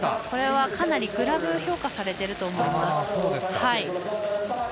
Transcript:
これは、かなりグラブが評価されてると思います。